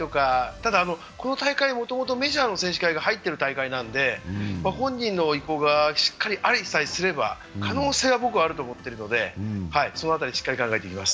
ただ、この大会もともとメジャーの選手会が入っている大会なので、本人の意向がしっかりありさえすれば、可能性は僕はあると考えてるのでその辺りしっかり考えていきます。